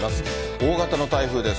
大型の台風です。